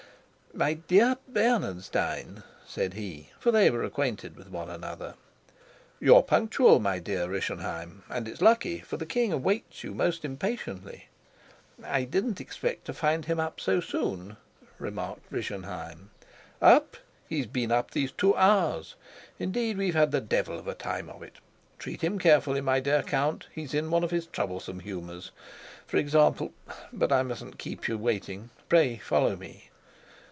"My dear Bernenstein!" said he, for they were acquainted with one another. "You're punctual, my dear Rischenheim, and it's lucky, for the king awaits you most impatiently." "I didn't expect to find him up so soon," remarked Rischenheim. "Up! He's been up these two hours. Indeed we've had the devil of a time of it. Treat him carefully, my dear Count; he's in one of his troublesome humors. For example but I mustn't keep you waiting. Pray follow me."